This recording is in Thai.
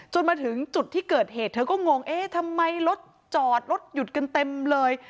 มาถึงจุดที่เกิดเหตุเธอก็งงเอ๊ะทำไมรถจอดรถหยุดกันเต็มเลย